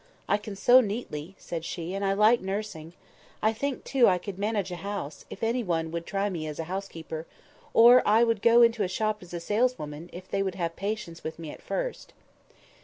"I can sew neatly," said she, "and I like nursing. I think, too, I could manage a house, if any one would try me as housekeeper; or I would go into a shop as saleswoman, if they would have patience with me at first."